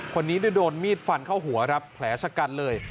คนนี้โดนมีดฟันเข้าหัวครับแผลชะกันเลย